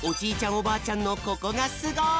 おばあちゃんのココがすごい！」。